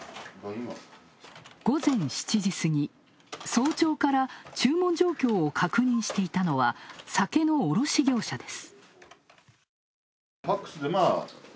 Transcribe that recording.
午前７時過ぎ、早朝から注文状況を確認していたのは、酒の卸業者です。